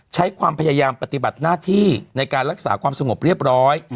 ใช้ความพยายามปฏิบัติหน้าที่ในการรักษาความสงบเรียบร้อย